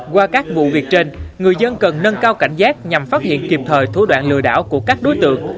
qua các vụ việc trên người dân cần nâng cao cảnh giác nhằm phát hiện kịp thời thu đoạn lừa đảo của các đối tượng